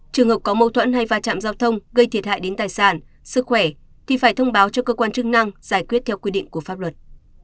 trường hợp có mâu thuẫn hay va chạm giao thông gây thiệt hại đến tài sản sức khỏe thì phải thông báo cho cơ quan chức năng giải quyết theo quy định của pháp luật